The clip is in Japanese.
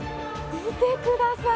見てください。